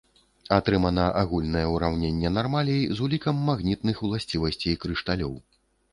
Атрымана агульнае ўраўненне нармалей з улікам магнітных уласцівасцей крышталёў.